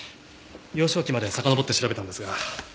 幼少期までさかのぼって調べたんですが。